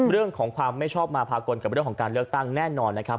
เรื่องของความไม่ชอบมาพากลกับเรื่องของการเลือกตั้งแน่นอนนะครับ